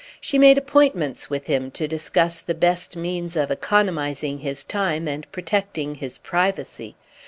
She made appointments with him to discuss the best means of economising his time and protecting his privacy.